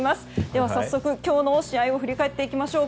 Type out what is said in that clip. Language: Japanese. では早速今日の試合を振り返っていきましょう。